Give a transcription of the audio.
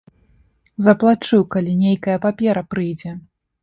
Заплачу, калі нейкая папера прыйдзе.